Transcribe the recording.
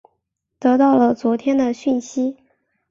得到了昨天的讯息